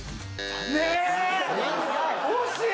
惜しい！